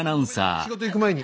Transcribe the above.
仕事いく前に。